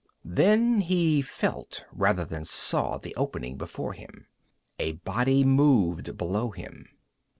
Then he felt rather than saw the opening before him. A body moved below him.